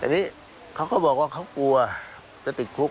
อันนี้เขาก็บอกว่าเขากลัวจะติดคุก